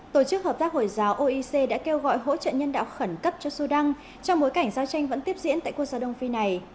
tổ chức hợp tác hồi giáo oec đã kêu gọi hỗ trợ nhân đạo khẩn cấp cho sudan trong bối cảnh giao tranh vẫn tiếp diễn tại quốc gia đông phi này